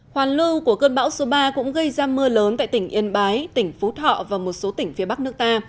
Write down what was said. hoàn lưu của cơn bão số ba cũng gây ra mưa lớn tại tỉnh yên bái tỉnh phú thọ và một số tỉnh phía bắc nước ta